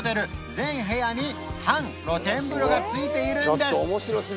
全部屋に半露天風呂が付いているんです